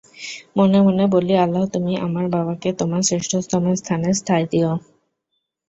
মনে মনে বলি আল্লাহ তুমি আমার বাবাকে তোমার শ্রেষ্ঠতম স্থানে ঠাঁই দিয়ো।